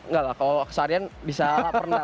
enggak lah kalau seharian bisa pernah